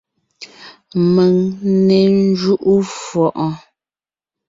Mèŋ n né ńjúʼu fʉʼɔɔn!